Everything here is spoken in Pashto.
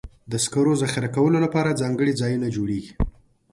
د سکرو ذخیره کولو لپاره ځانګړي ځایونه جوړېږي.